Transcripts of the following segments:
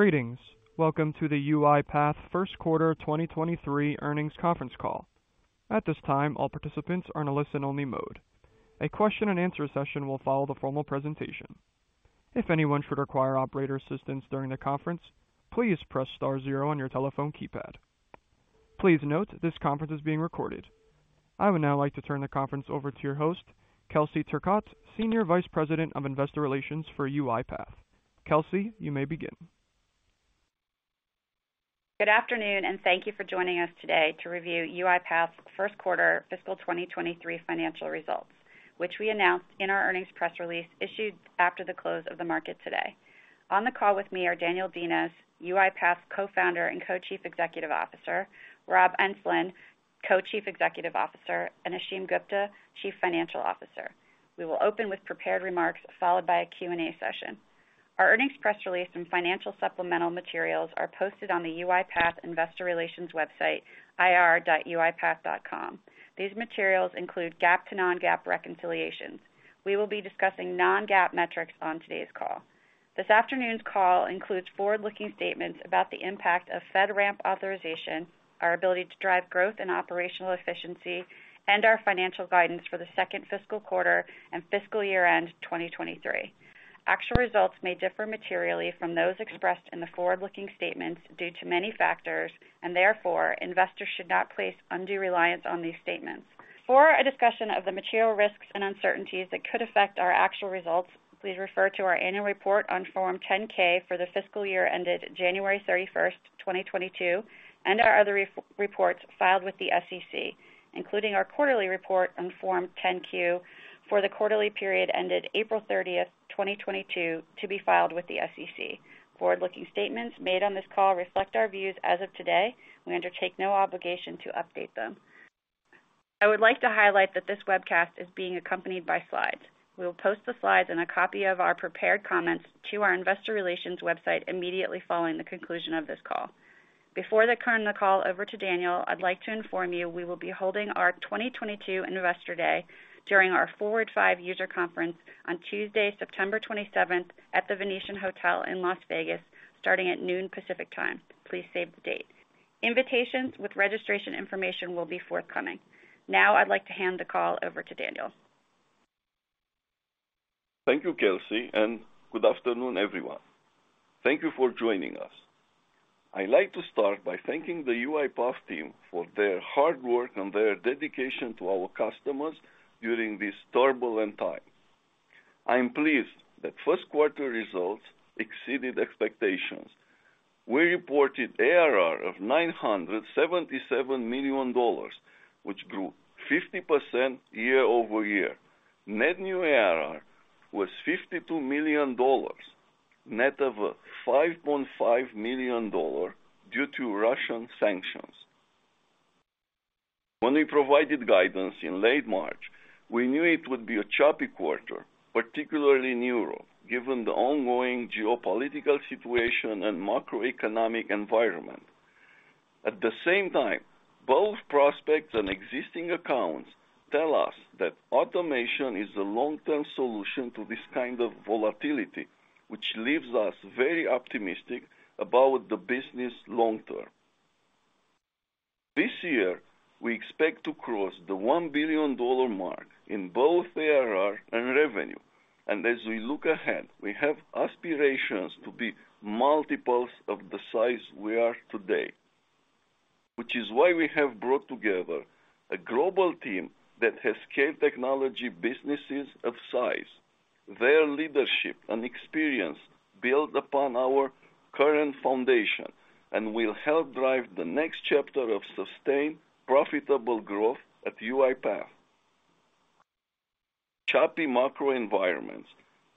Greetings. Welcome to the UiPath First Quarter 2023 Earnings Conference Call. At this time, all participants are in a listen-only mode. A question and answer session will follow the formal presentation. If anyone should require operator assistance during the conference, please press star zero on your telephone keypad. Please note this conference is being recorded. I would now like to turn the conference over to your host, Kelsey Turcotte, Senior Vice President of Investor Relations for UiPath. Kelsey, you may begin. Good afternoon, and thank you for joining us today to review UiPath's first quarter fiscal 2023 financial results, which we announced in our earnings press release issued after the close of the market today. On the call with me are Daniel Dines, UiPath's Co-Founder and Co-Chief Executive Officer, Rob Enslin, Co-Chief Executive Officer, and Ashim Gupta, Chief Financial Officer. We will open with prepared remarks, followed by a Q&A session. Our earnings press release and financial supplemental materials are posted on the UiPath Investor Relations website, ir.uipath.com. These materials include GAAP to non-GAAP reconciliations. We will be discussing non-GAAP metrics on today's call. This afternoon's call includes forward-looking statements about the impact of FedRAMP authorization, our ability to drive growth and operational efficiency, and our financial guidance for the second fiscal quarter and fiscal year-end 2023. Actual results may differ materially from those expressed in the forward-looking statements due to many factors, and therefore, investors should not place undue reliance on these statements. For a discussion of the material risks and uncertainties that could affect our actual results, please refer to our annual report on Form 10-K for the fiscal year ended January 31st, 2022, and our other reports filed with the SEC, including our quarterly report on Form 10-Q for the quarterly period ended April 30th, 2022, to be filed with the SEC. Forward-looking statements made on this call reflect our views as of today. We undertake no obligation to update them. I would like to highlight that this webcast is being accompanied by slides. We will post the slides and a copy of our prepared comments to our investor relations website immediately following the conclusion of this call. Before I turn the call over to Daniel, I'd like to inform you we will be holding our 2022 Investor Day during our FORWARD 5 User Conference on Tuesday, September 27th at the Venetian Hotel in Las Vegas, starting at noon Pacific Time. Please save the date. Invitations with registration information will be forthcoming. Now I'd like to hand the call over to Daniel. Thank you, Kelsey, and good afternoon, everyone. Thank you for joining us. I'd like to start by thanking the UiPath team for their hard work and their dedication to our customers during this turbulent time. I am pleased that first quarter results exceeded expectations. We reported ARR of $977 million, which grew 50% year-over-year. Net new ARR was $52 million, net of a $5.5 million impact due to Russian sanctions. When we provided guidance in late March, we knew it would be a choppy quarter, particularly in Europe, given the ongoing geopolitical situation and macroeconomic environment. At the same time, both prospects and existing accounts tell us that automation is a long-term solution to this kind of volatility, which leaves us very optimistic about the business long term. This year, we expect to cross the $1 billion mark in both ARR and revenue. As we look ahead, we have aspirations to be multiples of the size we are today. Which is why we have brought together a global team that has scaled technology businesses of size. Their leadership and experience build upon our current foundation and will help drive the next chapter of sustained, profitable growth at UiPath. Choppy macro environments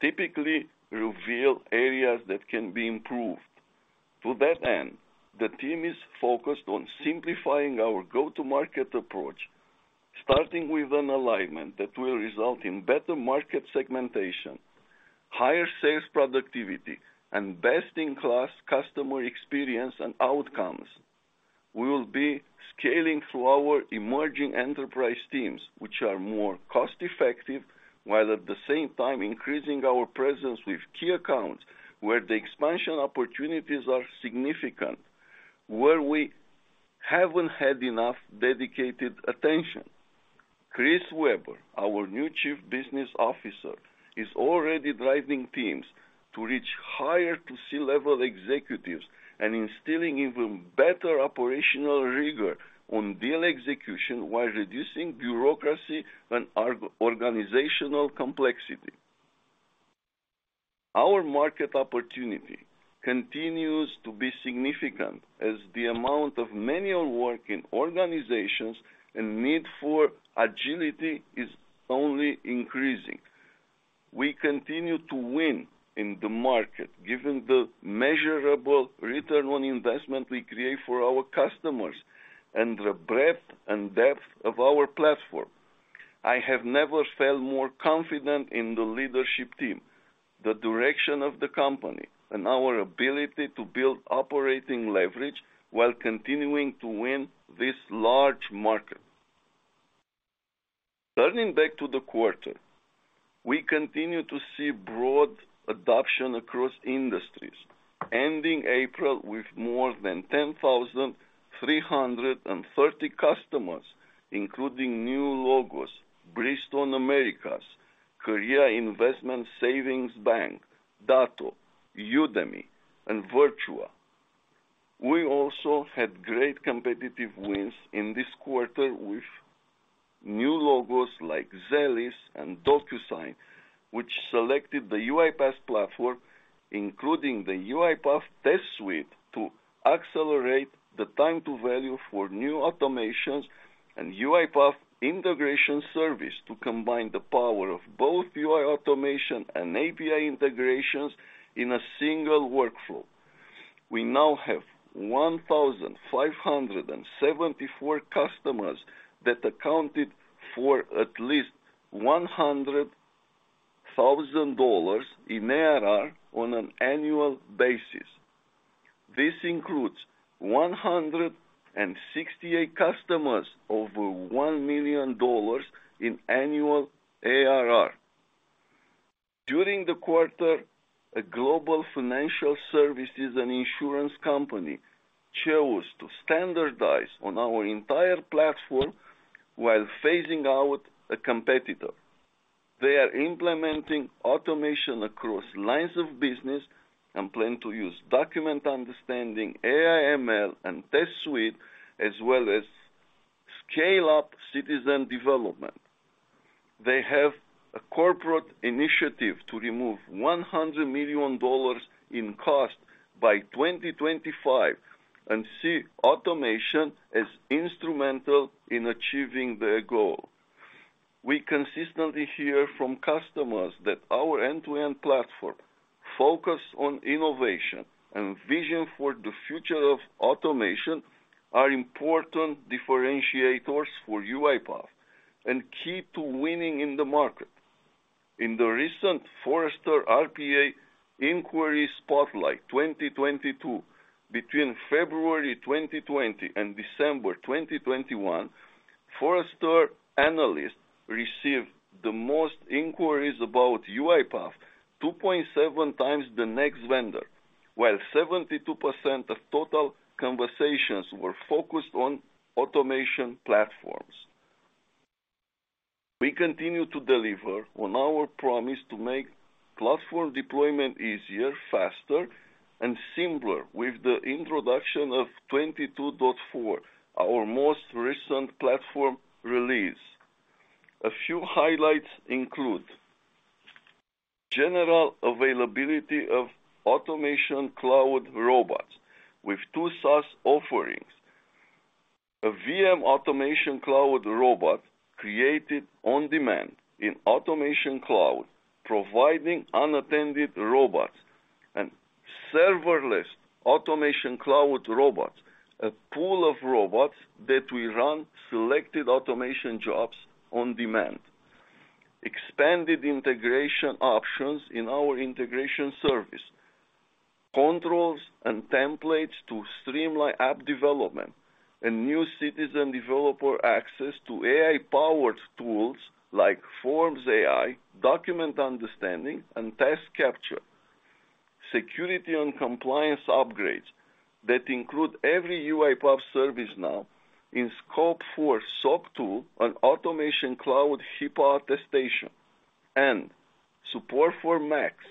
typically reveal areas that can be improved. To that end, the team is focused on simplifying our go-to-market approach, starting with an alignment that will result in better market segmentation, higher sales productivity, and best-in-class customer experience and outcomes. We will be scaling through our emerging enterprise teams, which are more cost-effective, while at the same time increasing our presence with key accounts where the expansion opportunities are significant, where we haven't had enough dedicated attention. Chris Weber, our new Chief Business Officer, is already driving teams to reach higher to C-level executives and instilling even better operational rigor on deal execution while reducing bureaucracy and organizational complexity. Our market opportunity continues to be significant as the amount of manual work in organizations and need for agility is only increasing. We continue to win in the market, given the measurable return on investment we create for our customers and the breadth and depth of our platform. I have never felt more confident in the leadership team, the direction of the company, and our ability to build operating leverage while continuing to win this large market. Turning back to the quarter, we continue to see broad adoption across industries, ending April with more than 10,033 customers, including new logos, Bridgestone Americas, Korea Investment Savings Bank, Datto, Udemy, and Virtua Health. We also had great competitive wins in this quarter with new logos like Zscaler and DocuSign, which selected the UiPath platform, including the UiPath Test Suite, to accelerate the time to value for new automations and UiPath Integration Service to combine the power of both UI automation and API integrations in a single workflow. We now have 1,574 customers that accounted for at least $100,000 in ARR on an annual basis. This includes 168 customers over $1 million in annual ARR. During the quarter, a global financial services and insurance company chose to standardize on our entire platform while phasing out a competitor. They are implementing automation across lines of business and plan to use Document Understanding, AI ML, and Test Suite, as well as scale up citizen development. They have a corporate initiative to remove $100 million in cost by 2025 and see automation as instrumental in achieving their goal. We consistently hear from customers that our end-to-end platform focus on innovation and vision for the future of automation are important differentiators for UiPath and key to winning in the market. In the recent Forrester RPA Inquiry Spotlight 2022, between February 2020 and December 2021, Forrester analysts received the most inquiries about UiPath 2.7 times the next vendor, while 72% of total conversations were focused on automation platforms. We continue to deliver on our promise to make platform deployment easier, faster, and simpler with the introduction of 22.4, our most recent platform release. A few highlights include general availability of Automation Cloud Robots with two SaaS offerings. A VM Automation Cloud Robot created on demand in Automation Cloud, providing unattended robots and Serverless Robots, a pool of robots that will run selected automation jobs on demand. Expanded integration options in our Integration Service. Controls and templates to streamline app development and new citizen developer access to AI-powered tools like Forms AI, Document Understanding, and Task Capture. Security and compliance upgrades that include every UiPath service now in scope for SOC 2 on Automation Cloud, HIPAA attestation, and support for Macs.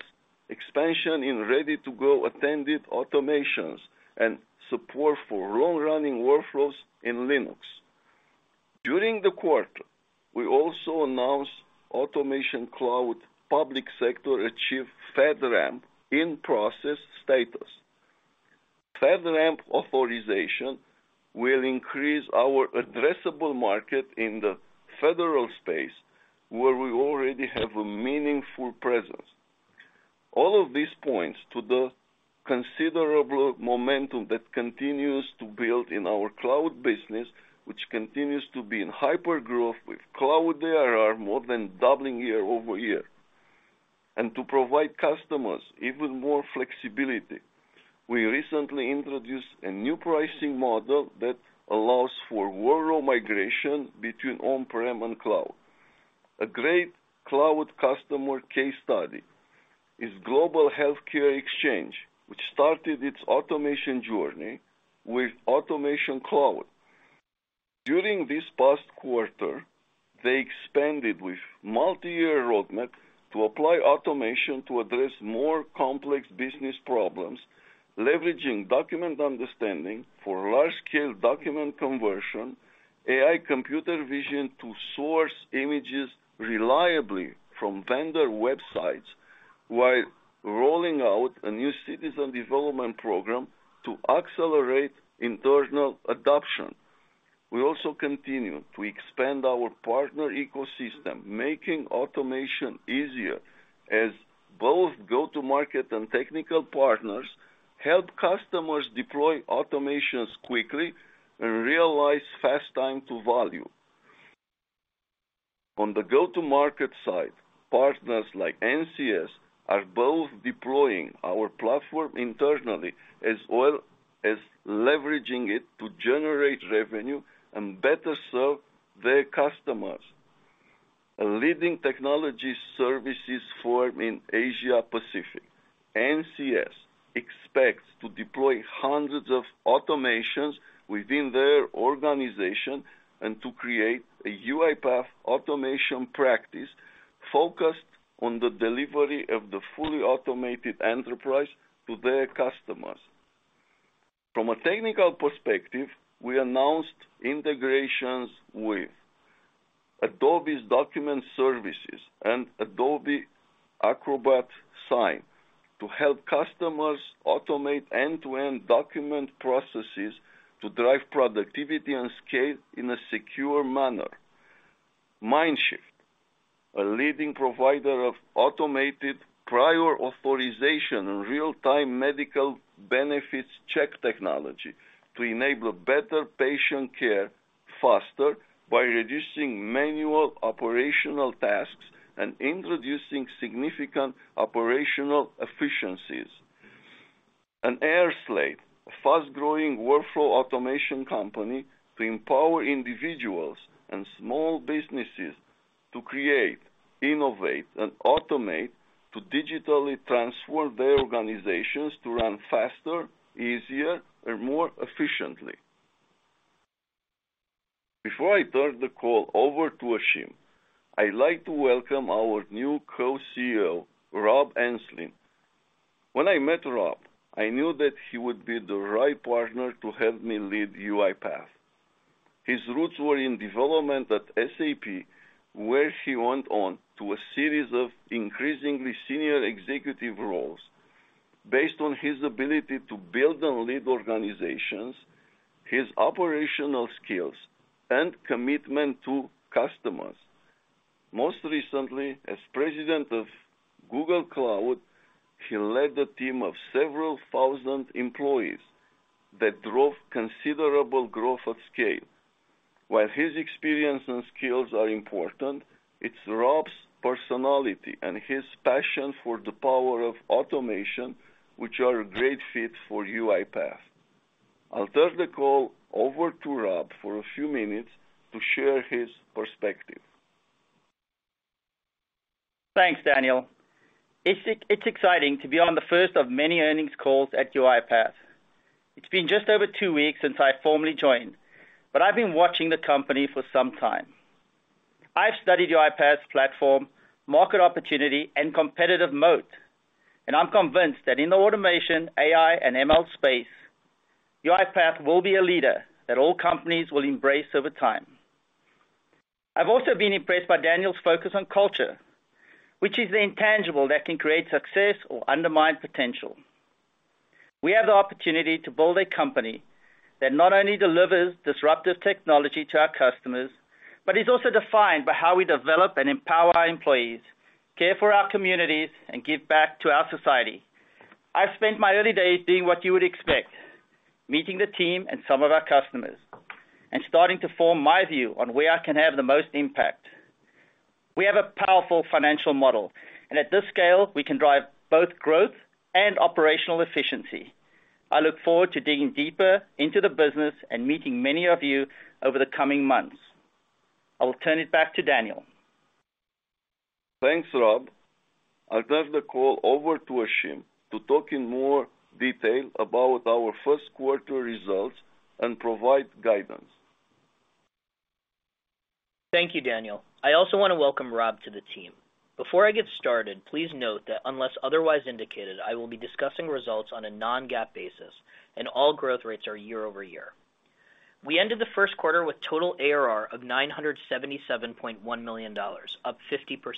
Expansion in ready-to-go attended automations and support for long-running workflows in Linux. During the quarter, we also announced Automation Cloud Public Sector achieved FedRAMP in-process status. FedRAMP authorization will increase our addressable market in the federal space, where we already have a meaningful presence. All of this points to the considerable momentum that continues to build in our cloud business, which continues to be in hypergrowth with cloud ARR more than doubling year-over-year. To provide customers even more flexibility, we recently introduced a new pricing model that allows for seamless migration between on-prem and cloud. A great cloud customer case study is Global Healthcare Exchange, which started its automation journey with Automation Cloud. During this past quarter, they expanded with multi-year roadmap to apply automation to address more complex business problems, leveraging Document Understanding for large-scale document conversion, AI Computer Vision to source images reliably from vendor websites, while rolling out a new citizen development program to accelerate internal adoption. We also continue to expand our partner ecosystem, making automation easier as both go-to-market and technical partners help customers deploy automations quickly and realize fast time to value. On the go-to-market side, partners like NCS are both deploying our platform internally as well as leveraging it to generate revenue and better serve their customers. A leading technology services firm in Asia Pacific, NCS, expects to deploy hundreds of automations within their organization and to create a UiPath automation practice focused on the delivery of the fully automated enterprise to their customers. From a technical perspective, we announced integrations with Adobe Acrobat Services and Adobe Acrobat Sign to help customers automate end-to-end document processes to drive productivity and scale in a secure manner. Myndshft, a leading provider of automated prior authorization and real-time medical benefits check technology to enable better patient care faster by reducing manual operational tasks and introducing significant operational efficiencies. airSlate, a fast-growing workflow automation company to empower individuals and small businesses to create, innovate, and automate, to digitally transform their organizations to run faster, easier, and more efficiently. Before I turn the call over to Ashim, I'd like to welcome our new co-CEO, Rob Enslin. When I met Rob, I knew that he would be the right partner to help me lead UiPath. His roots were in development at SAP, where he went on to a series of increasingly senior executive roles based on his ability to build and lead organizations, his operational skills, and commitment to customers. Most recently, as President of Google Cloud, he led a team of several thousand employees that drove considerable growth at scale. While his experience and skills are important, it's Rob's personality and his passion for the power of automation which are a great fit for UiPath. I'll turn the call over to Rob for a few minutes to share his perspective. Thanks, Daniel. It's exciting to be on the first of many earnings calls at UiPath. It's been just over two weeks since I formally joined, but I've been watching the company for some time. I've studied UiPath's platform, market opportunity, and competitive moat, and I'm convinced that in the automation, AI, and ML space, UiPath will be a leader that all companies will embrace over time. I've also been impressed by Daniel's focus on culture, which is the intangible that can create success or undermine potential. We have the opportunity to build a company that not only delivers disruptive technology to our customers, but is also defined by how we develop and empower our employees, care for our communities, and give back to our society. I've spent my early days doing what you would expect, meeting the team and some of our customers, and starting to form my view on where I can have the most impact. We have a powerful financial model, and at this scale, we can drive both growth and operational efficiency. I look forward to digging deeper into the business and meeting many of you over the coming months. I will turn it back to Daniel. Thanks, Rob. I'll turn the call over to Ashim to talk in more detail about our first quarter results and provide guidance. Thank you, Daniel. I also wanna welcome Rob to the team. Before I get started, please note that unless otherwise indicated, I will be discussing results on a non-GAAP basis, and all growth rates are year-over-year. We ended the first quarter with total ARR of $977.1 million, up 50%,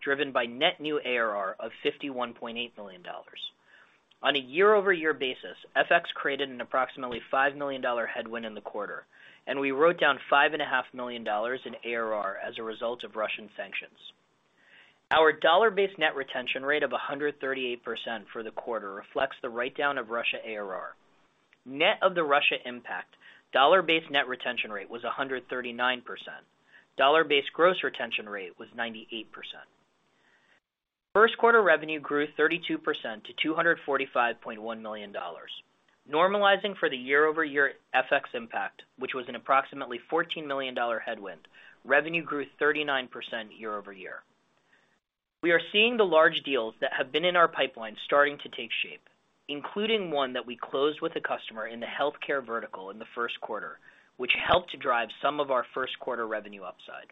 driven by net new ARR of $51.8 million. On a year-over-year basis, FX created an approximately $5 million headwind in the quarter, and we wrote down $5.5 million in ARR as a result of Russian sanctions. Our dollar-based net retention rate of 138% for the quarter reflects the write-down of Russia ARR. Net of the Russia impact, dollar-based net retention rate was 139%. Dollar-based gross retention rate was 98%. First quarter revenue grew 32% to $245.1 million. Normalizing for the year-over-year FX impact, which was an approximately $14 million headwind, revenue grew 39% year-over-year. We are seeing the large deals that have been in our pipeline starting to take shape, including one that we closed with a customer in the healthcare vertical in the first quarter, which helped to drive some of our first quarter revenue upside.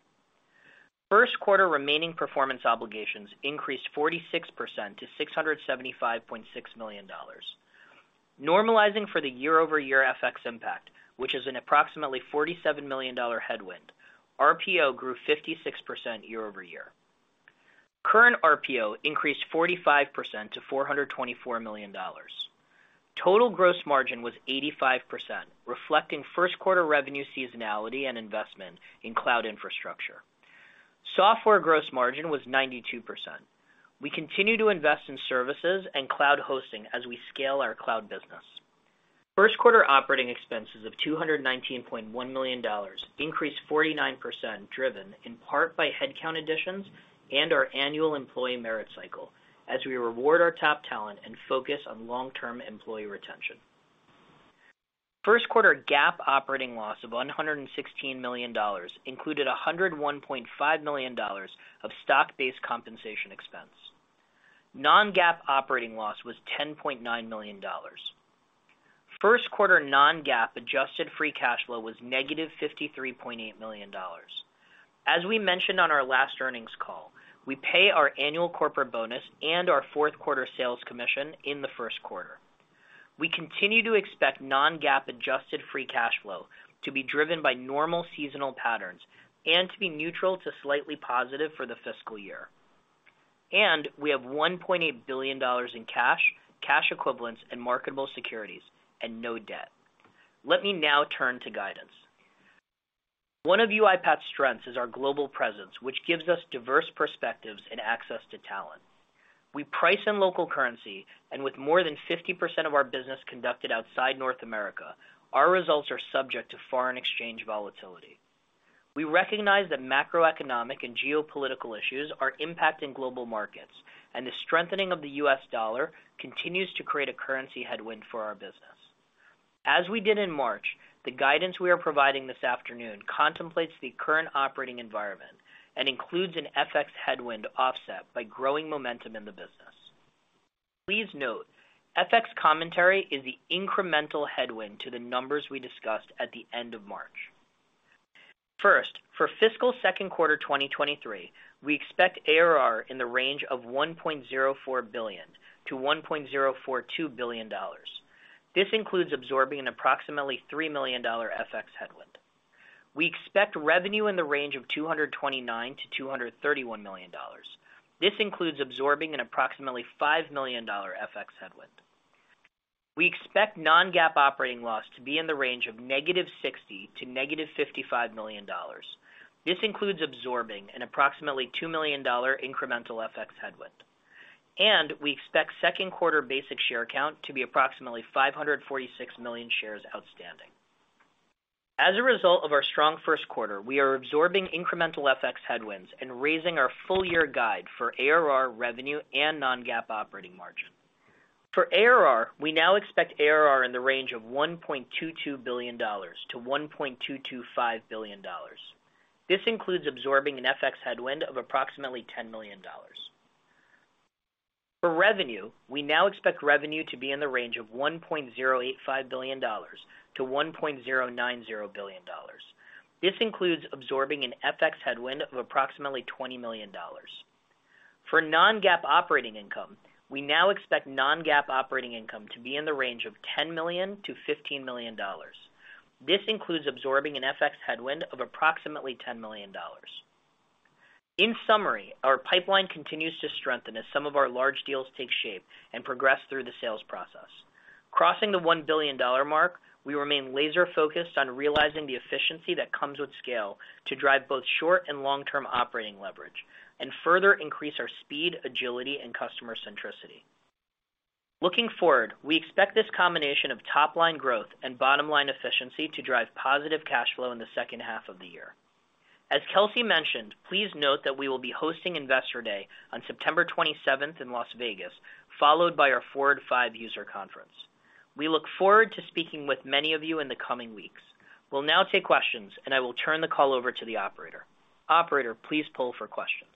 First quarter remaining performance obligations increased 46% to $675.6 million. Normalizing for the year-over-year FX impact, which is an approximately $47 million headwind, RPO grew 56% year-over-year. Current RPO increased 45% to $424 million. Total gross margin was 85%, reflecting first quarter revenue seasonality and investment in cloud infrastructure. Software gross margin was 92%. We continue to invest in services and cloud hosting as we scale our cloud business. First quarter operating expenses of $219.1 million increased 49%, driven in part by headcount additions and our annual employee merit cycle as we reward our top talent and focus on long-term employee retention. First quarter GAAP operating loss of $116 million included $101.5 million of stock-based compensation expense. Non-GAAP operating loss was $10.9 million. First quarter non-GAAP adjusted free cash flow was negative $53.8 million. As we mentioned on our last earnings call, we pay our annual corporate bonus and our fourth quarter sales commission in the first quarter. We continue to expect non-GAAP adjusted free cash flow to be driven by normal seasonal patterns and to be neutral to slightly positive for the fiscal year. We have $1.8 billion in cash equivalents, and marketable securities and no debt. Let me now turn to guidance. One of UiPath's strengths is our global presence, which gives us diverse perspectives and access to talent. We price in local currency, and with more than 50% of our business conducted outside North America, our results are subject to foreign exchange volatility. We recognize that macroeconomic and geopolitical issues are impacting global markets, and the strengthening of the US dollar continues to create a currency headwind for our business. As we did in March, the guidance we are providing this afternoon contemplates the current operating environment and includes an FX headwind offset by growing momentum in the business. Please note, FX commentary is the incremental headwind to the numbers we discussed at the end of March. First, for fiscal second quarter 2023, we expect ARR in the range of $1.04 billion-$1.042 billion. This includes absorbing an approximately $3 million FX headwind. We expect revenue in the range of $229 million-$231 million. This includes absorbing an approximately $5 million FX headwind. We expect non-GAAP operating loss to be in the range of -$60 million to -$55 million. This includes absorbing an approximately $2 million incremental FX headwind. We expect second quarter basic share count to be approximately 546 million shares outstanding. As a result of our strong first quarter, we are absorbing incremental FX headwinds and raising our full year guide for ARR revenue and non-GAAP operating margin. For ARR, we now expect ARR in the range of $1.22 billion-$1.225 billion. This includes absorbing an FX headwind of approximately $10 million. For revenue, we now expect revenue to be in the range of $1.085 billion-$1.090 billion. This includes absorbing an FX headwind of approximately $20 million. For non-GAAP operating income, we now expect non-GAAP operating income to be in the range of $10 million-$15 million. This includes absorbing an FX headwind of approximately $10 million. In summary, our pipeline continues to strengthen as some of our large deals take shape and progress through the sales process. Crossing the $1 billion mark, we remain laser-focused on realizing the efficiency that comes with scale to drive both short and long-term operating leverage and further increase our speed, agility, and customer centricity. Looking forward, we expect this combination of top-line growth and bottom-line efficiency to drive positive cash flow in the second half of the year. As Kelsey mentioned, please note that we will be hosting Investor Day on September 27th in Las Vegas, followed by our FORWARD VI User Conference. We look forward to speaking with many of you in the coming weeks. We'll now take questions, and I will turn the call over to the operator. Operator, please pull for questions.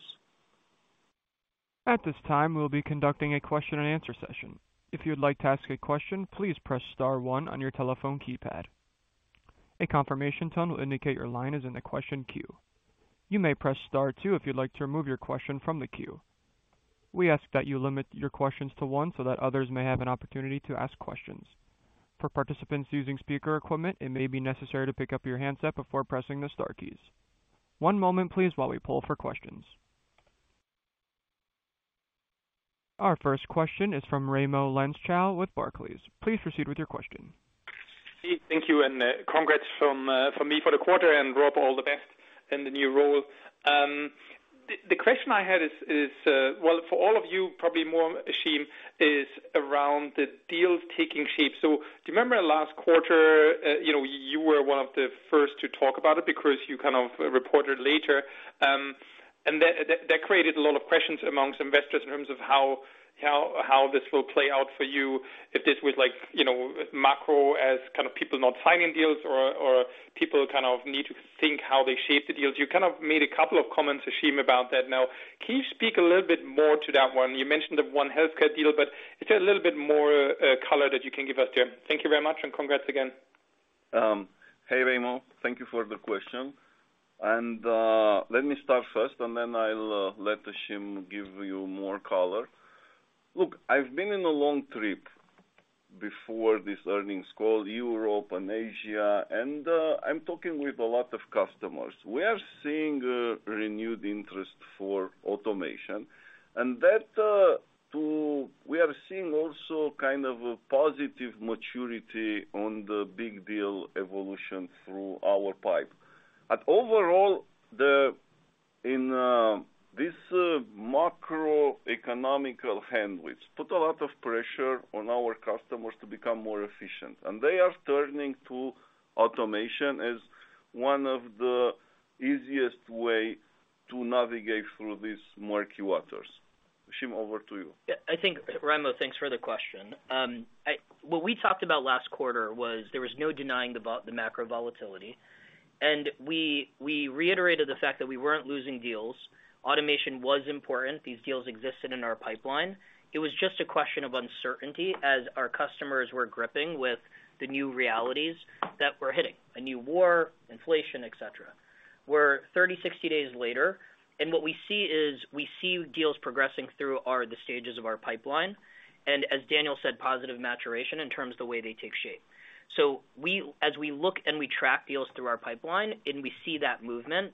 At this time, we'll be conducting a question and answer session. If you'd like to ask a question, please press star one on your telephone keypad. A confirmation tone will indicate your line is in the question queue. You may press star two if you'd like to remove your question from the queue. We ask that you limit your questions to one so that others may have an opportunity to ask questions. For participants using speaker equipment, it may be necessary to pick up your handset before pressing the star keys. One moment please while we pull for questions. Our first question is from Raimo Lenschow with Barclays. Please proceed with your question. Thank you, and congrats from me for the quarter, and Rob, all the best in the new role. The question I had is, well, for all of you, probably more Ashim, is around the deals taking shape. Do you remember last quarter, you know, you were one of the first to talk about it because you kind of reported later, and that created a lot of questions among investors in terms of how this will play out for you, if this was like, you know, macro as kind of people not signing deals or people kind of need to think how they shape the deals. You kind of made a couple of comments, Ashim, about that. Now, can you speak a little bit more to that one? You mentioned the one healthcare deal, but is there a little bit more, color that you can give us there? Thank you very much, and congrats again. Hey, Raimo. Thank you for the question. Let me start first, and then I'll let Ashim give you more color. Look, I've been on a long trip before this earnings call, Europe and Asia, and I'm talking with a lot of customers. We are seeing a renewed interest in automation. We are seeing also kind of a positive maturity on the big deal evolution through our pipeline. Overall, macroeconomic headwinds put a lot of pressure on our customers to become more efficient, and they are turning to automation as one of the easiest way to navigate through these murky waters. Ashim, over to you. Yeah, I think, Raimo, thanks for the question. What we talked about last quarter was there was no denying the macro volatility. We reiterated the fact that we weren't losing deals. Automation was important. These deals existed in our pipeline. It was just a question of uncertainty as our customers were grappling with the new realities that were hitting, a new war, inflation, et cetera. We're 30, 60 days later, and what we see is we see deals progressing through the stages of our pipeline, and as Daniel said, positive maturation in terms of the way they take shape. As we look and we track deals through our pipeline, and we see that movement,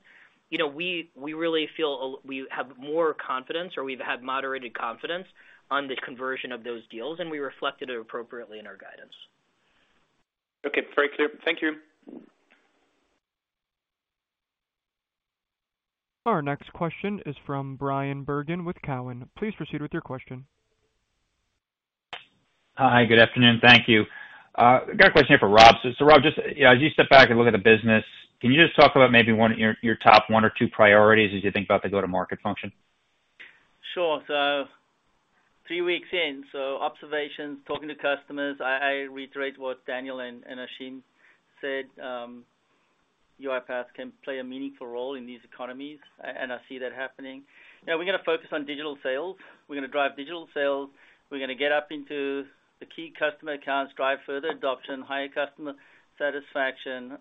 you know, we really feel we have more confidence, or we've had moderated confidence on the conversion of those deals, and we reflected it appropriately in our guidance. Okay, very clear. Thank you. Our next question is from Bryan Bergin with Cowen. Please proceed with your question. Hi, good afternoon. Thank you. I got a question here for Rob. Rob, just, you know, as you step back and look at the business, can you just talk about maybe one of your top one or two priorities as you think about the go-to-market function? Sure. Three weeks in, observations, talking to customers, I reiterate what Daniel and Ashim said. UiPath can play a meaningful role in these economies. I see that happening. Now we're gonna focus on digital sales. We're gonna drive digital sales. We're gonna get up into the key customer accounts, drive further adoption, higher customer satisfaction,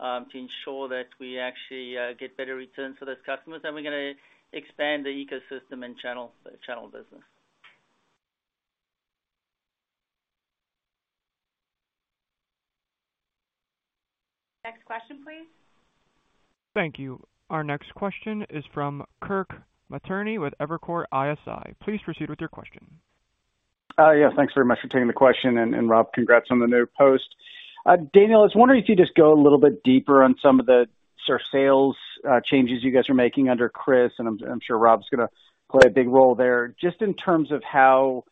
to ensure that we actually get better returns for those customers. We're gonna expand the ecosystem and channel business. Next question, please. Thank you. Our next question is from Kirk Materne with Evercore ISI. Please proceed with your question. Yeah, thanks very much for taking the question, and Rob, congrats on the new post. Daniel, I was wondering if you could just go a little bit deeper on some of the sort of sales changes you guys are making under Chris, and I'm sure Rob's gonna play a big role there, just in terms of how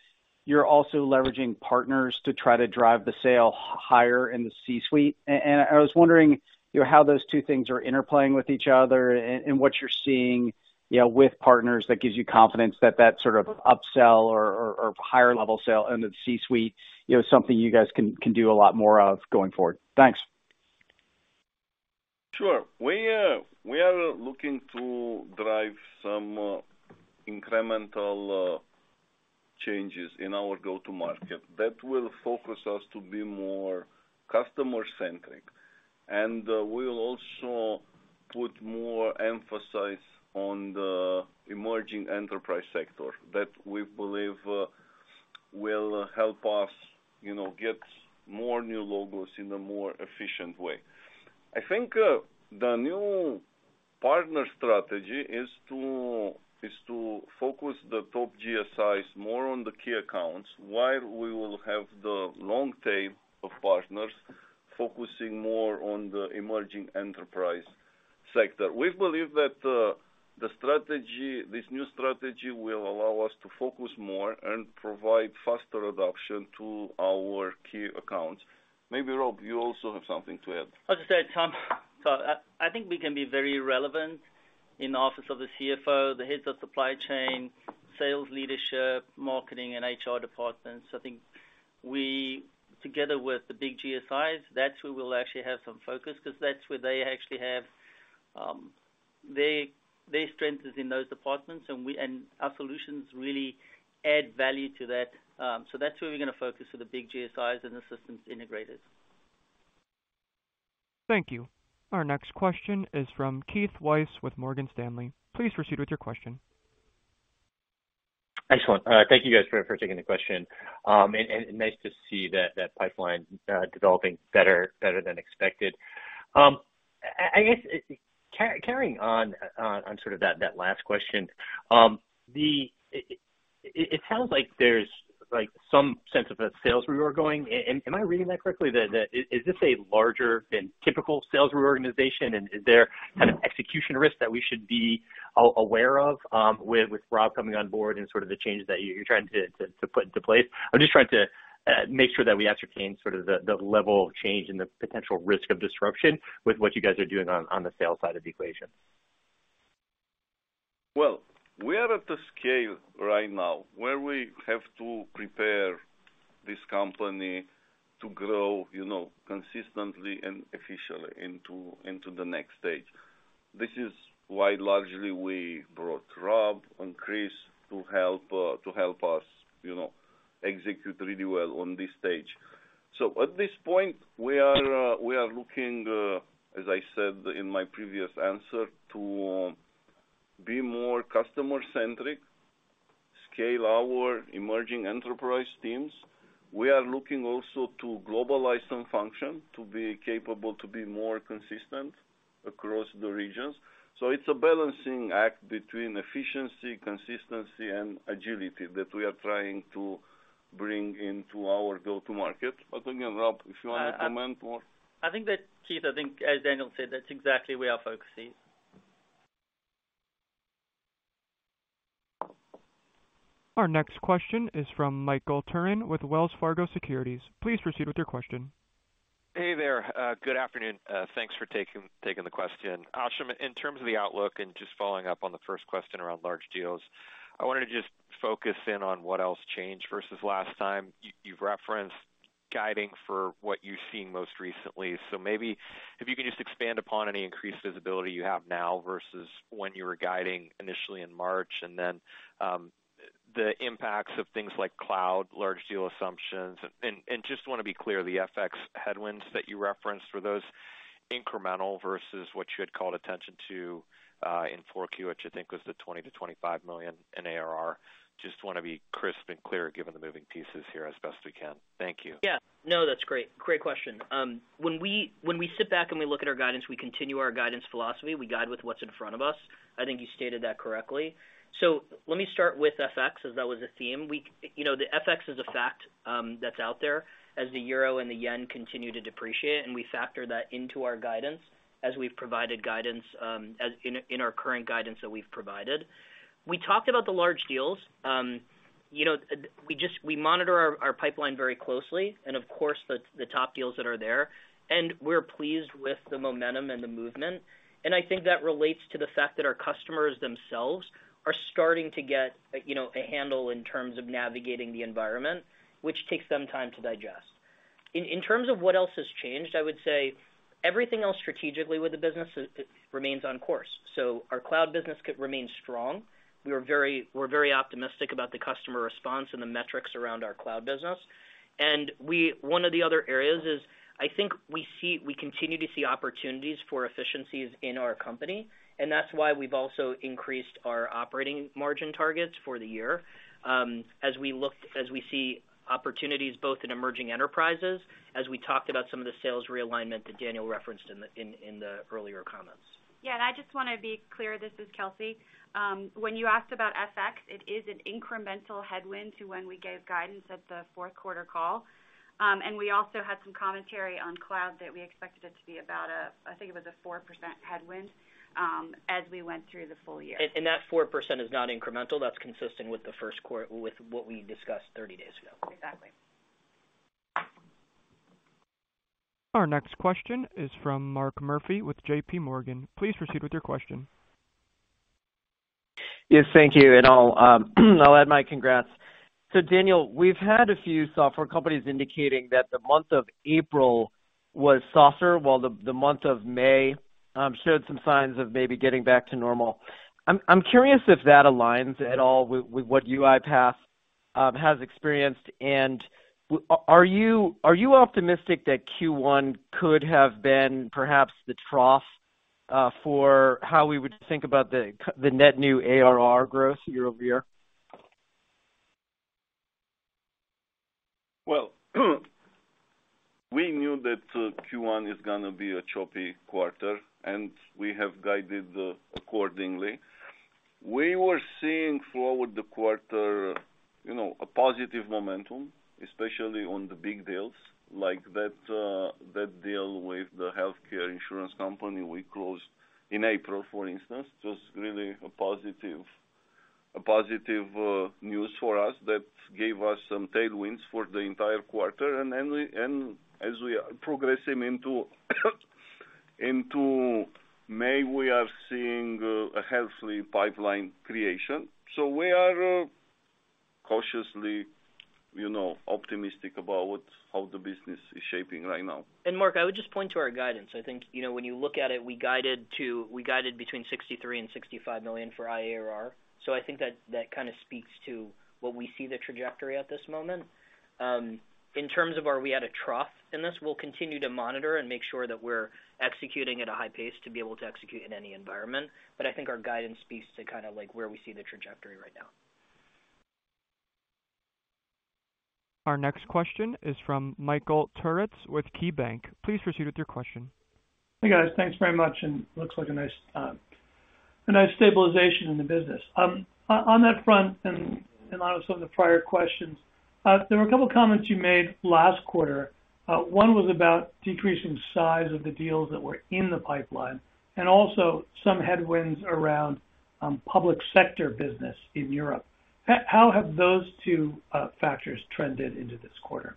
you're also leveraging partners to try to drive the sale higher in the C-suite. I was wondering, you know, how those two things are interplaying with each other and what you're seeing, you know, with partners that gives you confidence that that sort of upsell or higher level sale into the C-suite, you know, something you guys can do a lot more of going forward. Thanks. Sure. We are looking to drive some incremental changes in our go-to-market that will focus us to be more customer-centric. We'll also put more emphasis on the emerging enterprise sector that we believe will help us, you know, get more new logos in a more efficient way. I think the new partner strategy is to focus the top GSIs more on the key accounts, while we will have the long tail of partners focusing more on the emerging enterprise sector. We believe that this new strategy will allow us to focus more and provide faster adoption to our key accounts. Maybe Rob, you also have something to add. I'll just add, Tom. I think we can be very relevant in the office of the CFO, the heads of supply chain, sales leadership, marketing and HR departments. I think we, together with the big GSIs, that's where we'll actually have some focus 'cause that's where they actually have, their strength is in those departments, and our solutions really add value to that. That's where we're gonna focus with the big GSIs and the systems integrators. Thank you. Our next question is from Keith Weiss with Morgan Stanley. Please proceed with your question. Excellent. Thank you guys for taking the question. Nice to see that pipeline developing better than expected. I guess carrying on sort of that last question, it sounds like there's like some sense of a sales reorg going. Am I reading that correctly? Is this a larger than typical sales reorganization? Is there kind of execution risk that we should be aware of, with Rob coming on board and sort of the changes that you're trying to put into place? I'm just trying to make sure that we ascertain sort of the level of change and the potential risk of disruption with what you guys are doing on the sales side of the equation. Well, we are at the scale right now where we have to prepare this company to grow, you know, consistently and efficiently into the next stage. This is why largely we brought Rob and Chris to help us, you know, execute really well on this stage. At this point, we are looking, as I said in my previous answer, to be more customer-centric, scale our emerging enterprise teams. We are looking also to globalize some function to be capable to be more consistent across the regions. It's a balancing act between efficiency, consistency and agility that we are trying to bring into our go-to-market. Again, Rob, if you wanna comment more. I think that, Keith, I think as Daniel said, that's exactly where our focus is. Our next question is from Michael Turrin with Wells Fargo Securities. Please proceed with your question. Hey there. Good afternoon. Thanks for taking the question. Ashim, in terms of the outlook and just following up on the first question around large deals, I wanted to just focus in on what else changed versus last time. You've referenced guiding for what you've seen most recently. Maybe if you could just expand upon any increased visibility you have now versus when you were guiding initially in March. The impacts of things like cloud, large deal assumptions. Just wanna be clear, the FX headwinds that you referenced, were those incremental versus what you had called attention to, in 4Q, which I think was the $20 million-$25 million in ARR. Just wanna be crisp and clear given the moving pieces here as best we can. Thank you. Yeah. No, that's great. Great question. When we sit back and we look at our guidance, we continue our guidance philosophy. We guide with what's in front of us. I think you stated that correctly. Let me start with FX as that was a theme. You know, the FX is a fact that's out there as the euro and the yen continue to depreciate, and we factor that into our guidance as we've provided guidance as in our current guidance that we've provided. We talked about the large deals. You know, we monitor our pipeline very closely and of course, the top deals that are there, and we're pleased with the momentum and the movement. I think that relates to the fact that our customers themselves are starting to get, you know, a handle in terms of navigating the environment, which takes some time to digest. In terms of what else has changed, I would say everything else strategically with the business remains on course. Our cloud business could remain strong. We're very optimistic about the customer response and the metrics around our cloud business. One of the other areas is, I think we continue to see opportunities for efficiencies in our company, and that's why we've also increased our operating margin targets for the year, as we see opportunities both in emerging enterprises, as we talked about some of the sales realignment that Daniel referenced in the earlier comments. Yeah. I just wanna be clear, this is Kelsey. When you asked about FX, it is an incremental headwind to when we gave guidance at the fourth quarter call. We also had some commentary on cloud that we expected it to be about a, I think it was a 4% headwind, as we went through the full year. That 4% is not incremental. That's consistent with what we discussed 30 days ago. Exactly. Our next question is from Mark Murphy with J.P. Morgan. Please proceed with your question. Yes, thank you. I'll add my congrats. Daniel, we've had a few software companies indicating that the month of April was softer, while the month of May showed some signs of maybe getting back to normal. I'm curious if that aligns at all with what UiPath has experienced. Are you optimistic that Q1 could have been perhaps the trough for how we would think about the net new ARR growth year-over-year? Well, we knew that Q1 is gonna be a choppy quarter, and we have guided accordingly. We were seeing forward the quarter, you know, a positive momentum, especially on the big deals like that deal with the healthcare insurance company we closed in April, for instance, just really a positive news for us that gave us some tailwinds for the entire quarter. As we are progressing into May, we are seeing a healthy pipeline creation. We are cautiously, you know, optimistic about how the business is shaping right now. Mark, I would just point to our guidance. I think, you know, when you look at it, we guided between $63 million and $65 million for ARR. I think that kind of speaks to what we see the trajectory at this moment. In terms of are we at a trough in this, we'll continue to monitor and make sure that we're executing at a high pace to be able to execute in any environment. I think our guidance speaks to kind of like where we see the trajectory right now. Our next question is from Michael Turits with KeyBanc. Please proceed with your question. Hey, guys. Thanks very much. Looks like a nice stabilization in the business. On that front and a lot of some of the prior questions, there were a couple comments you made last quarter. One was about decreasing size of the deals that were in the pipeline and also some headwinds around public sector business in Europe. How have those two factors trended into this quarter?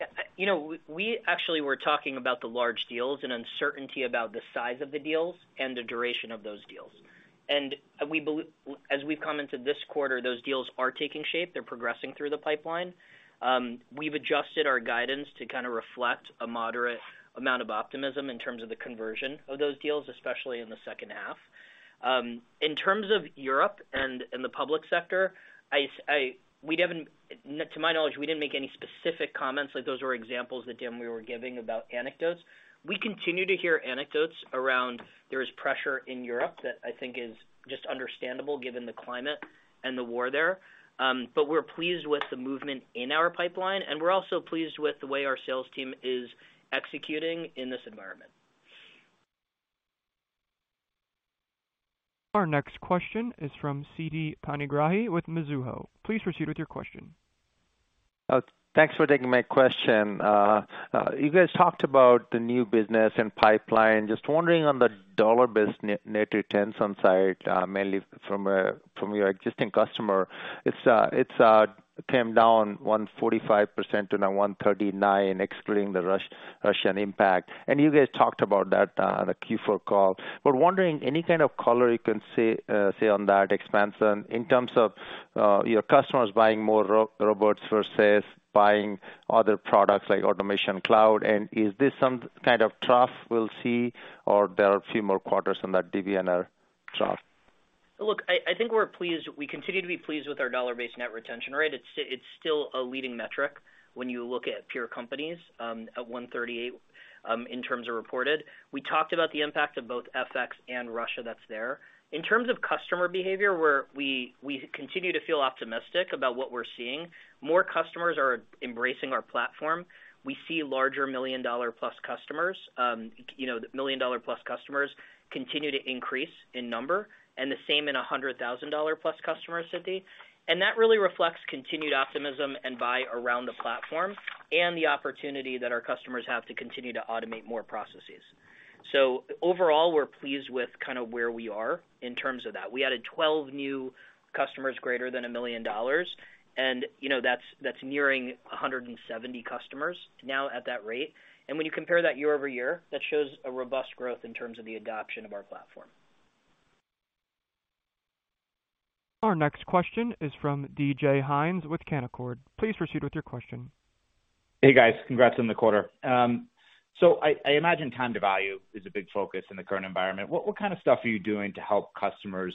Yeah. You know, we actually were talking about the large deals and uncertainty about the size of the deals and the duration of those deals. As we've come into this quarter, those deals are taking shape. They're progressing through the pipeline. We've adjusted our guidance to kind of reflect a moderate amount of optimism in terms of the conversion of those deals, especially in the second half. In terms of Europe and the public sector, we haven't. To my knowledge, we didn't make any specific comments, like those were examples that Dan and we were giving about anecdotes. We continue to hear anecdotes around. There is pressure in Europe that I think is just understandable given the climate and the war there. We're pleased with the movement in our pipeline, and we're also pleased with the way our sales team is executing in this environment. Our next question is from Siti Panigrahi with Mizuho. Please proceed with your question. Thanks for taking my question. You guys talked about the new business and pipeline. Just wondering on the dollar-based net retention side, mainly from your existing customer. It came down 145% to now 139%, excluding the Russian impact. You guys talked about that on the Q4 call. Wondering, any kind of color you can say on that expansion in terms of your customers buying more robots versus buying other products like Automation Cloud. Is this some kind of trough we'll see or there are a few more quarters in that deeper trough? Look, I think we're pleased. We continue to be pleased with our dollar-based net retention rate. It's still a leading metric when you look at pure-play companies, at 138, in terms of reported. We talked about the impact of both FX and Russia that's there. In terms of customer behavior, we continue to feel optimistic about what we're seeing. More customers are embracing our platform. We see larger million-dollar-plus customers. You know, the million-dollar-plus customers continue to increase in number, and the same in 100,000-dollar-plus customers, Siti. That really reflects continued optimism and buy-in around the platform and the opportunity that our customers have to continue to automate more processes. Overall, we're pleased with kind of where we are in terms of that. We added 12 new customers greater than $1 million and, you know, that's nearing 170 customers now at that rate. When you compare that year-over-year, that shows a robust growth in terms of the adoption of our platform. Our next question is from DJ Hynes with Canaccord Genuity. Please proceed with your question. Hey, guys. Congrats on the quarter. I imagine time to value is a big focus in the current environment. What kind of stuff are you doing to help customers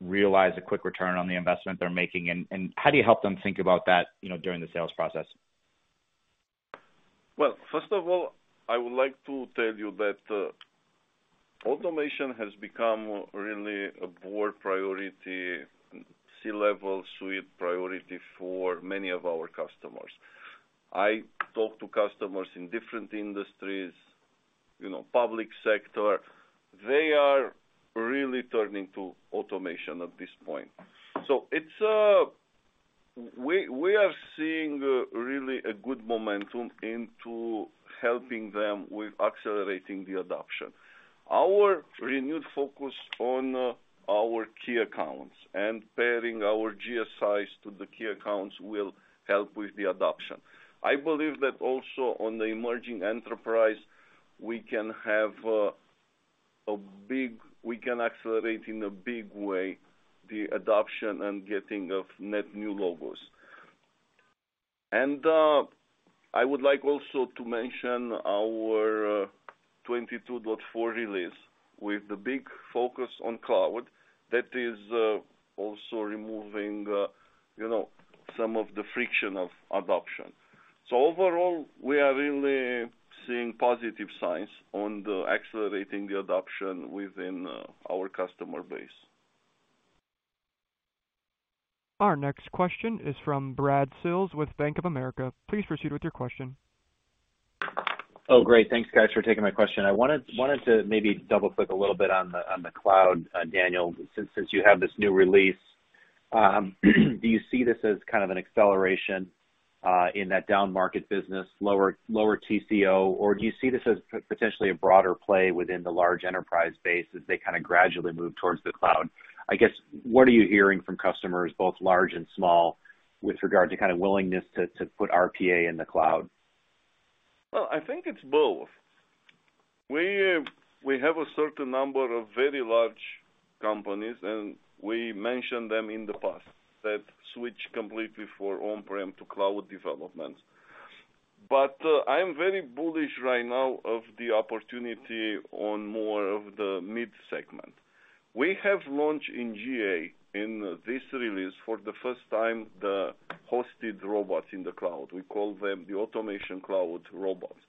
realize a quick return on the investment they're making, and how do you help them think about that, you know, during the sales process? Well, first of all, I would like to tell you that automation has become really a board priority, C-suite priority for many of our customers. I talk to customers in different industries, you know, public sector. They are really turning to automation at this point. We are seeing really a good momentum into helping them with accelerating the adoption. Our renewed focus on our key accounts and pairing our GSIs to the key accounts will help with the adoption. I believe that also on the emerging enterprise, we can accelerate in a big way the adoption and getting of net new logos. I would like also to mention our 22.4 release with the big focus on cloud that is also removing, you know, some of the friction of adoption. Overall, we are really seeing positive signs on accelerating the adoption within our customer base. Our next question is from Brad Sills with Bank of America. Please proceed with your question. Oh, great. Thanks, guys, for taking my question. I wanted to maybe double-click a little bit on the cloud, Daniel, since you have this new release. Do you see this as kind of an acceleration in that downmarket business, lower TCO? Or do you see this as potentially a broader play within the large enterprise base as they kinda gradually move towards the cloud? I guess, what are you hearing from customers, both large and small, with regard to kind of willingness to put RPA in the cloud? I think it's both. We have a certain number of very large companies, and we mentioned them in the past, that switch completely from on-prem to cloud deployments. I am very bullish right now on the opportunity in more of the mid-segment. We have launched in GA in this release for the first time the hosted robots in the cloud. We call them the Automation Cloud Robots.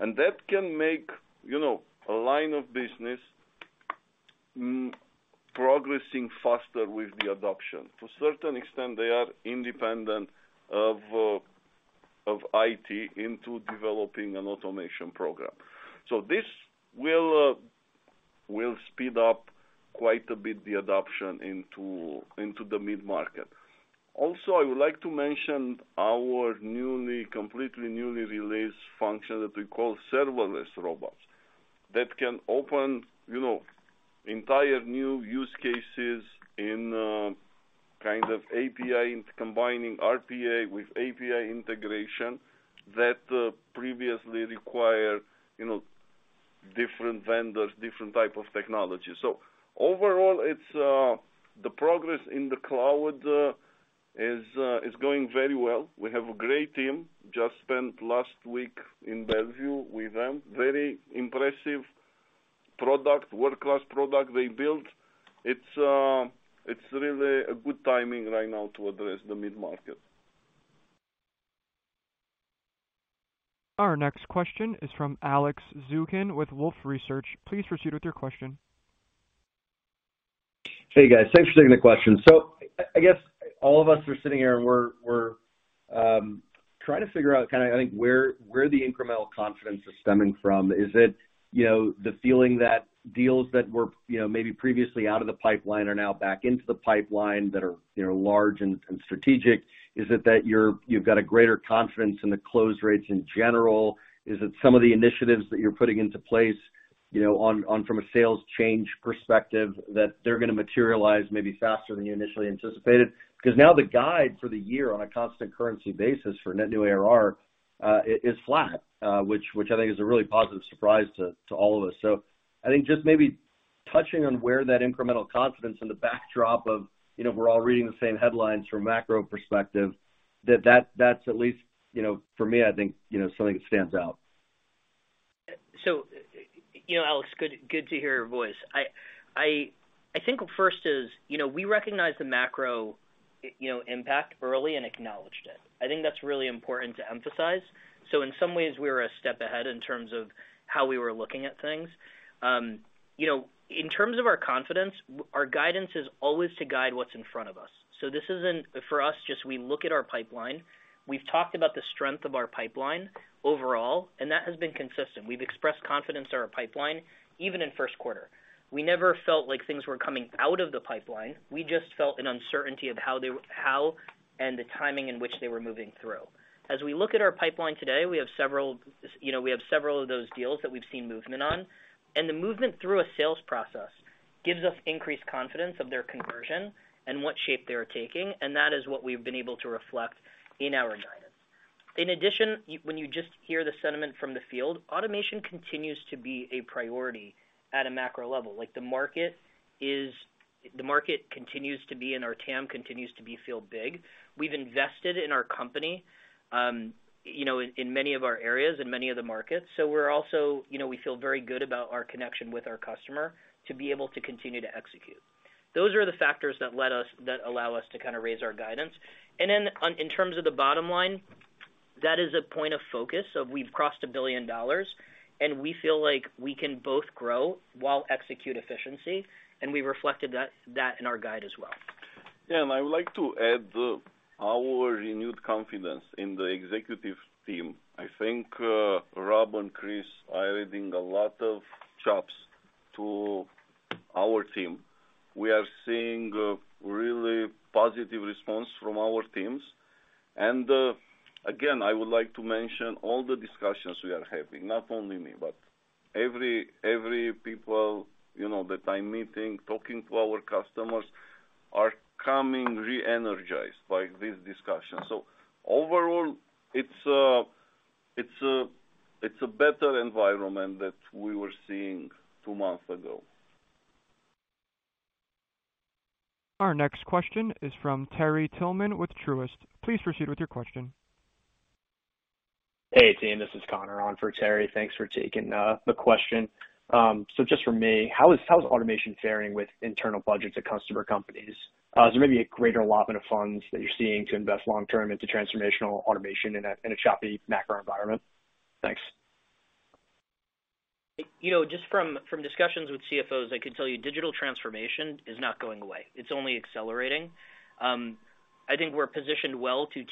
And that can make, you know, a line of business progressing faster with the adoption. To a certain extent, they are independent of IT in developing an automation program. This will speed up quite a bit the adoption into the mid-market. Also, I would like to mention our newly, completely newly released function that we call Serverless Robots. That can open, you know, entire new use cases in, kind of API and combining RPA with API integration that, previously required, you know, different vendors, different type of technology. Overall, it's the progress in the cloud is going very well. We have a great team. Just spent last week in Bellevue with them. Very impressive product, world-class product they built. It's really a good timing right now to address the mid-market. Our next question is from Alex Zukin with Wolfe Research. Please proceed with your question. Hey guys, thanks for taking the question. I guess all of us are sitting here, and we're trying to figure out kinda, I think, where the incremental confidence is stemming from. Is it, you know, the feeling that deals that were, you know, maybe previously out of the pipeline are now back into the pipeline that are, you know, large and strategic? Is it that you've got a greater confidence in the close rates in general? Is it some of the initiatives that you're putting into place, you know, on from a sales change perspective that they're gonna materialize maybe faster than you initially anticipated? 'Cause now the guide for the year on a constant currency basis for net new ARR is flat, which I think is a really positive surprise to all of us. I think just maybe touching on where that incremental confidence in the backdrop of, you know, we're all reading the same headlines from a macro perspective that's at least, you know, for me, I think, you know, something that stands out. You know, Alex, good to hear your voice. I think first is, you know, we recognize the macro, you know, impact early and acknowledged it. I think that's really important to emphasize. In some ways, we were a step ahead in terms of how we were looking at things. You know, in terms of our confidence, our guidance is always to guide what's in front of us. This isn't for us, just we look at our pipeline. We've talked about the strength of our pipeline overall, and that has been consistent. We've expressed confidence in our pipeline, even in first quarter. We never felt like things were coming out of the pipeline. We just felt an uncertainty of how they how and the timing in which they were moving through. As we look at our pipeline today, we have several of those deals that we've seen movement on, and the movement through a sales process gives us increased confidence of their conversion and what shape they are taking, and that is what we've been able to reflect in our guidance. In addition, when you just hear the sentiment from the field, automation continues to be a priority at a macro level. Like the market continues to be, and our TAM continues to feel big. We've invested in our company in many of our areas, in many of the markets. We're also, we feel very good about our connection with our customer to be able to continue to execute. Those are the factors that allow us to kinda raise our guidance. In terms of the bottom line, that is a point of focus. We've crossed $1 billion, and we feel like we can both grow while executing efficiency, and we reflected that in our guide as well. Yeah, I would like to add our renewed confidence in the executive team. I think Rob and Chris are adding a lot of chops to our team. We are seeing a really positive response from our teams. Again, I would like to mention all the discussions we are having, not only me, but every people, you know, that I'm meeting, talking to our customers, are coming re-energized by this discussion. Overall, it's a better environment that we were seeing two months ago. Our next question is from Terry Tillman with Truist. Please proceed with your question. Hey, team, this is Connor on for Terry. Thanks for taking the question. Just for me, how is automation faring with internal budgets at customer companies? Is there maybe a greater allotment of funds that you're seeing to invest long-term into transformational automation in a choppy macro environment? Thanks. You know, just from discussions with CFOs, I can tell you digital transformation is not going away. It's only accelerating. I think we're positioned well to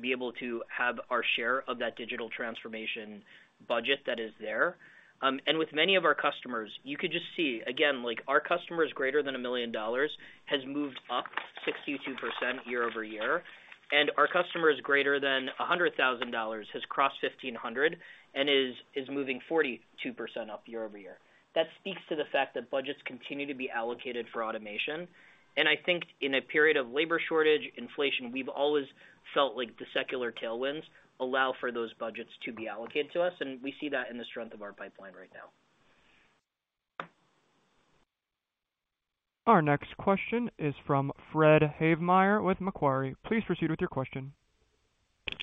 be able to have our share of that digital transformation budget that is there. With many of our customers, you could just see, again, like our customers greater than $1 million has moved up 62% year-over-year, and our customers greater than $100,000 has crossed 1,500 and is moving 42% up year-over-year. That speaks to the fact that budgets continue to be allocated for automation. I think in a period of labor shortage, inflation, we've always felt like the secular tailwinds allow for those budgets to be allocated to us, and we see that in the strength of our pipeline right now. Our next question is from Fred Havemeyer with Macquarie. Please proceed with your question.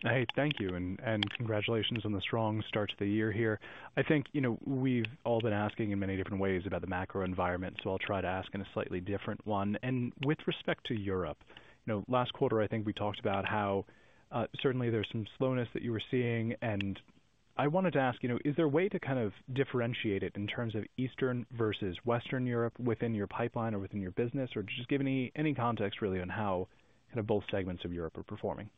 Hey, thank you and congratulations on the strong start to the year here. I think, you know, we've all been asking in many different ways about the macro environment, so I'll try to ask in a slightly different one. With respect to Europe, you know, last quarter, I think we talked about how certainly there's some slowness that you were seeing. I wanted to ask, you know, is there a way to kind of differentiate it in terms of Eastern versus Western Europe within your pipeline or within your business? Or just give any context really on how kind of both segments of Europe are performing.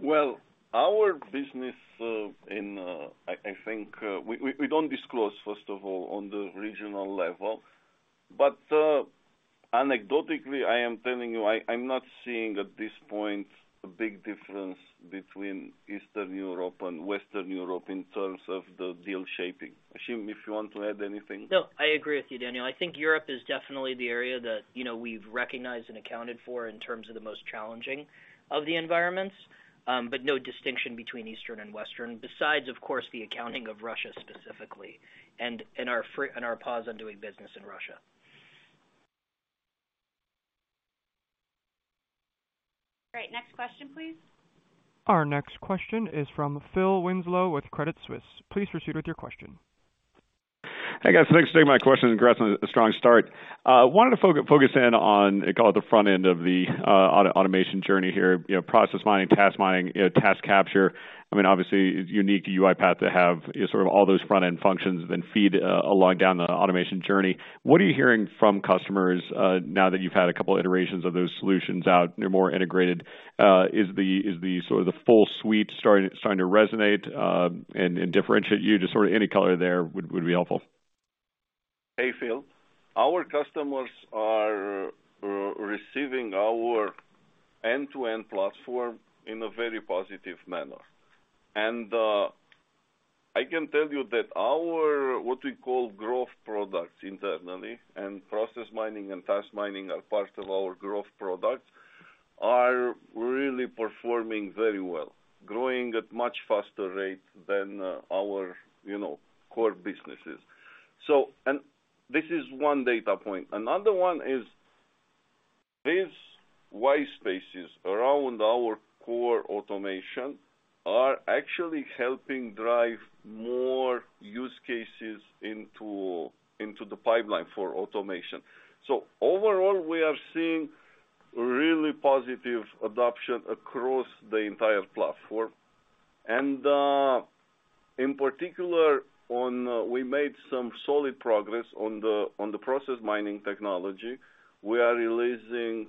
Well, our business, I think we don't disclose, first of all, on the regional level. Anecdotally, I am telling you, I'm not seeing at this point a big difference between Eastern Europe and Western Europe in terms of the deal shaping. Ashim, if you want to add anything. No, I agree with you, Daniel. I think Europe is definitely the area that, you know, we've recognized and accounted for in terms of the most challenging of the environments. No distinction between Eastern and Western besides, of course, the accounting of Russia specifically and our pause on doing business in Russia. All right, next question, please. Our next question is from Phil Winslow with Credit Suisse. Please proceed with your question. Hey guys, thanks for taking my question and congrats on a strong start. Wanted to focus in on, call it the front end of the automation journey here, you know, Process Mining, Task Mining, Task Capture. I mean, obviously it's unique to UiPath to have sort of all those front-end functions then feed along down the automation journey. What are you hearing from customers now that you've had a couple iterations of those solutions out, they're more integrated. Is the sort of the full suite starting to resonate and differentiate you? Just sort of any color there would be helpful. Hey, Phil. Our customers are receiving our end-to-end platform in a very positive manner. I can tell you that our, what we call growth products internally, and Process Mining and Task Mining are part of our growth products, are really performing very well, growing at much faster rate than our, you know, core businesses. This is one data point. Another one is these wide spaces around our core automation are actually helping drive more use cases into the pipeline for automation. Overall, we are seeing really positive adoption across the entire platform. In particular, we made some solid progress on the process mining technology. We are releasing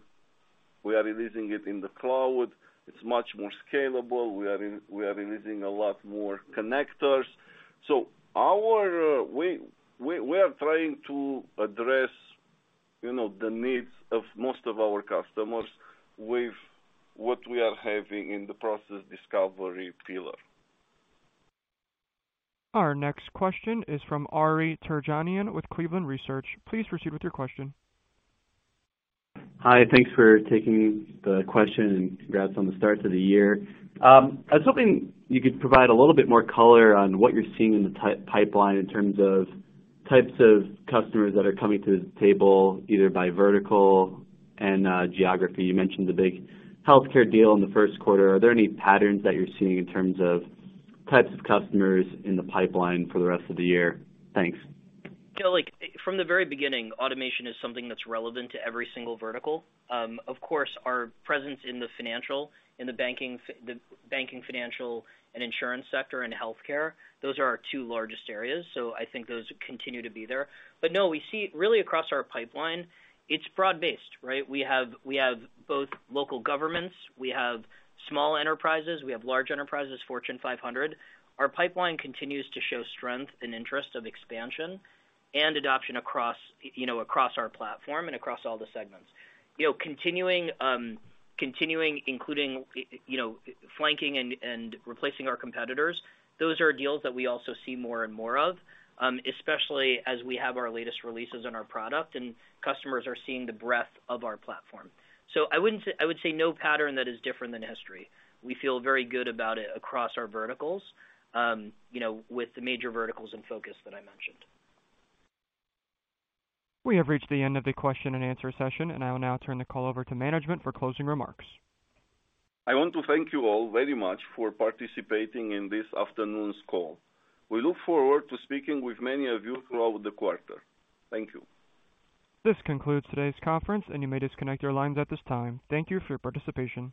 it in the cloud. It's much more scalable. We are releasing a lot more connectors. We are trying to address, you know, the needs of most of our customers with what we are having in the process discovery pillar. Our next question is from Ari Terjanian with Cleveland Research. Please proceed with your question. Hi, thanks for taking the question, and congrats on the start to the year. I was hoping you could provide a little bit more color on what you're seeing in the T1 pipeline in terms of types of customers that are coming to the table, either by vertical and geography. You mentioned the big healthcare deal in the first quarter. Are there any patterns that you're seeing in terms of types of customers in the pipeline for the rest of the year? Thanks. You know, like from the very beginning, automation is something that's relevant to every single vertical. Of course, our presence in the banking, financial, and insurance sector and healthcare, those are our two largest areas, so I think those continue to be there. No, we see really across our pipeline, it's broad-based, right? We have both local governments, small enterprises, large enterprises, Fortune 500. Our pipeline continues to show strength and interest of expansion and adoption across, you know, across our platform and across all the segments. You know, continuing, including, you know, flanking and replacing our competitors, those are deals that we also see more and more of, especially as we have our latest releases on our product and customers are seeing the breadth of our platform. I would say no pattern that is different than history. We feel very good about it across our verticals, you know, with the major verticals and focus that I mentioned. We have reached the end of the question and answer session, and I will now turn the call over to management for closing remarks. I want to thank you all very much for participating in this afternoon's call. We look forward to speaking with many of you throughout the quarter. Thank you. This concludes today's conference, and you may disconnect your lines at this time. Thank you for your participation.